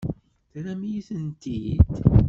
Terram-iyi-tent-id?